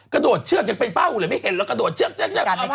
กระโดดเชือกยังเป็นเป้าเลยไม่เห็นแล้วกระโดดเชือก